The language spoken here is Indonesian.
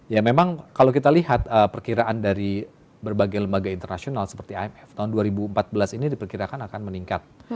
ya memang kalau kita lihat perkiraan dari berbagai lembaga internasional seperti imf tahun dua ribu empat belas ini diperkirakan akan meningkat